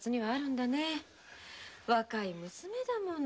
若い娘だもの